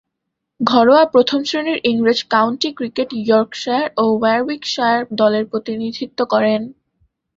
ঘরোয়া প্রথম-শ্রেণীর ইংরেজ কাউন্টি ক্রিকেটে ইয়র্কশায়ার ও ওয়ারউইকশায়ার দলের প্রতিনিধিত্ব করেন।